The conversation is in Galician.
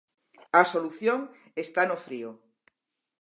A solución está no frío.